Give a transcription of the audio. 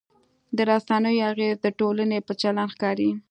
د رسنیو اغېز د ټولنې په چلند ښکاري.